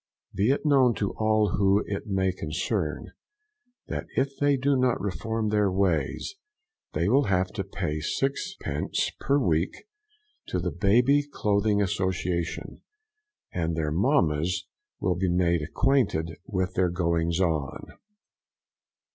Be it known to all whom it may concern, that if they do not reform their ways they will have to pay 6d. per week to the Baby clothing Association, and their mamma's will be made acquainted with their goings on.